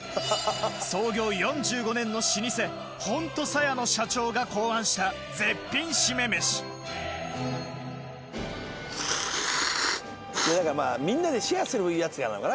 創業４５年の老舗本とさやの社長が考案した絶品シメ飯何かまぁみんなでシェアするやつなのかな？